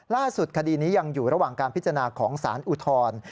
คดีนี้ยังอยู่ระหว่างการพิจารณาของสารอุทธร